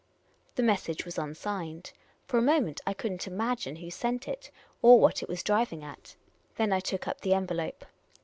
The message was unsigned. For a moment, I could n't imagine who sent it, or what it was driving at. Then I took up the envelope.